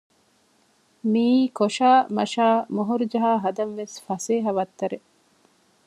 މީ ކޮށައި މަށައި މޮހޮރުޖަހާ ހަދަން ވެސް ފަސޭހަ ވައްތަރެއް